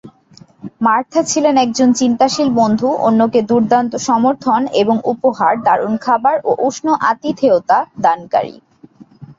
Martha ছিলেন একজন চিন্তাশীল বন্ধু, অন্যকে দুর্দান্ত সমর্থন এবং উপহার, দারুণ খাবার ও উষ্ণ আতিথেয়তা দানকারী।